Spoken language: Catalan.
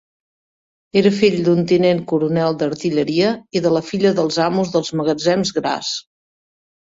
Era fill d'un tinent coronel d'artilleria i de la filla dels amos dels magatzems Gras.